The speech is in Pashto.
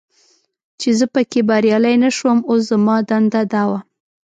چې زه پکې بریالی نه شوم، اوس زما دنده دا وه.